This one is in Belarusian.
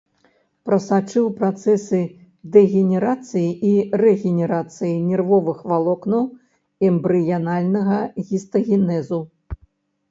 Прасачыў працэсы дэгенерацыі і рэгенерацыі нервовых валокнаў, эмбрыянальнага гістагенезу.